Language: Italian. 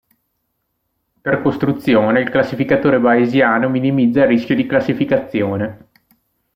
Per costruzione, il classificatore bayesiano minimizza il rischio di classificazione.